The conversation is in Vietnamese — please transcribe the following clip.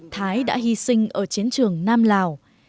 thái đã hy sinh ở chiến trường nam lào